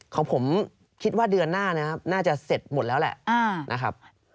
ของผมคิดว่าเดือนหน้าน่าจะเสร็จหมดแล้วแหละ